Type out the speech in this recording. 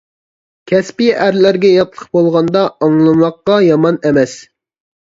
كەسپىي ئەرلەرگە ياتلىق بولغاندا: ئاڭلىماققا يامان ئەمەس!